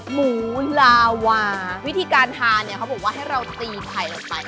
หมูลาวาวิธีการทานเนี่ยเขาบอกว่าให้เราตีไข่ออกไป